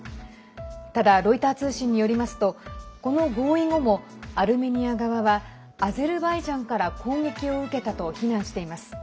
ただ、ロイター通信によりますとこの合意後もアルメニア側はアゼルバイジャンから攻撃を受けたと非難しています。